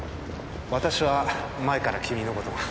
私は前から君のことが。